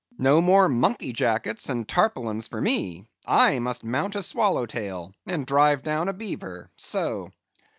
No more monkey jackets and tarpaulins for me; I must mount a swallow tail, and drive down a beaver; so.